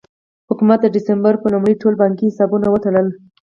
حکومت د ډسمبر په لومړۍ ټول بانکي حسابونه وتړل.